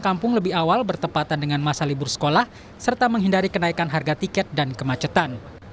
kampung lebih awal bertepatan dengan masa libur sekolah serta menghindari kenaikan harga tiket dan kemacetan